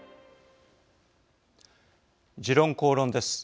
「時論公論」です。